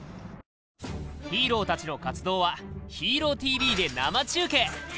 ヒーローたちの活動は「ＨＥＲＯＴＶ」で生中継！